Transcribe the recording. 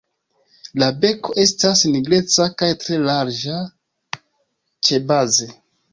La beko estas nigreca kaj tre larĝa ĉebaze.